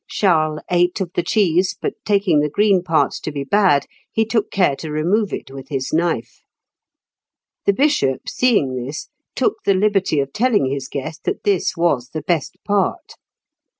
Charles ate of the cheese; but taking the green part to be bad, he took care to remove it with his knife. The Bishop, seeing this, took the liberty of telling his guest that this was the best part.